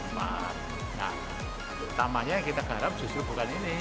nah utamanya yang kita garap justru bukan ini